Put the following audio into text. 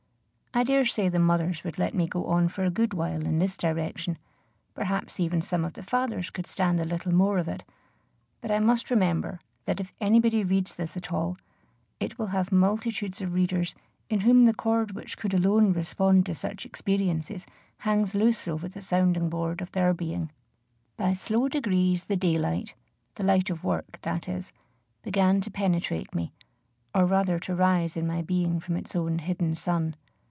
I dare say the mothers would let me go on for a good while in this direction, perhaps even some of the fathers could stand a little more of it; but I must remember, that, if anybody reads this at all, it will have multitudes of readers in whom the chord which could alone respond to such experiences hangs loose over the sounding board of their being. By slow degrees the daylight, the light of work, that is, began to penetrate me, or rather to rise in my being from its own hidden sun.